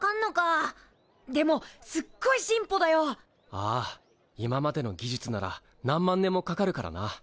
ああ今までの技術なら何万年もかかるからな。